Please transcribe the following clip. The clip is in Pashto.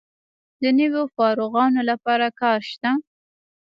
د نویو فارغانو لپاره کار شته؟